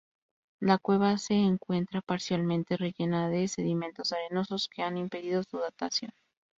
La cueva se encuentra parcialmente rellena de sedimentos arenosos que han impedido su datación.